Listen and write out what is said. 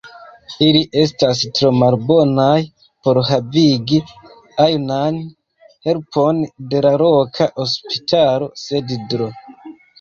Ili estas tro malbonaj por havigi ajnan helpon de la loka hospitalo, sed Dro.